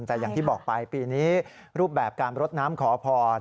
แต่อย่างที่บอกไปปีนี้รูปแบบการรดน้ำขอพร